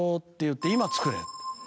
「今作れ」？